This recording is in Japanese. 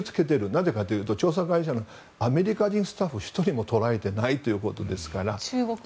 なぜかというと調査会社のアメリカ人スタッフ１人も捕らえてないということですから。